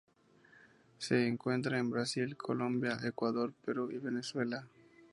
Se encuentra en Brasil, Colombia, Ecuador, Perú y Venezuela.